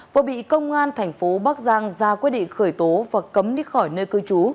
vừa bị công an thành phố bắc giang ra quyết định khởi tố và cấm đi khỏi nơi cư trú